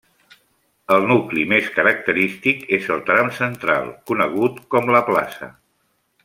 El nucli més característic és el tram central, conegut com la Plaça.